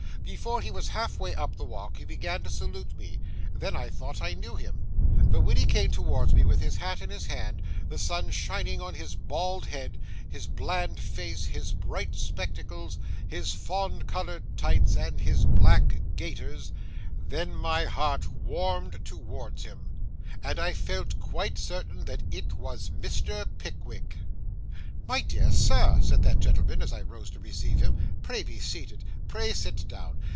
Before he was half way up the walk he began to salute me; then I thought I knew him; but when he came towards me with his hat in his hand, the sun shining on his bald head, his bland face, his bright spectacles, his fawn coloured tights, and his black gaiters,—then my heart warmed towards him, and I felt quite certain that it was Mr. Pickwick. 'My dear sir,' said that gentleman as I rose to receive him, 'pray be seated. Pray sit down.